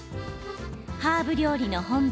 ハーブ料理の本場